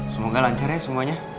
semoga lancar ya semuanya